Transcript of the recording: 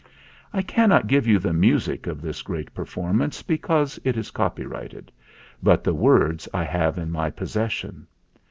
I cannot give you the music of this great performance, because it is copyrighted ; but the words I have in my possession.